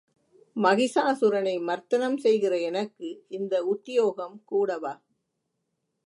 மகிஷாசுரனை மர்த்தனம் செய்கிற எனக்கு இந்த உத்தியோகம் கூடவா?